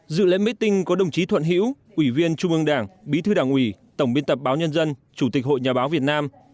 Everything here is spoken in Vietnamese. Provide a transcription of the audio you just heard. dự lễ meeting có đồng chí thuận hiễu ủy viên trung ương đảng bí thư đảng ủy tổng biên tập báo nhân dân chủ tịch hội nhà báo việt nam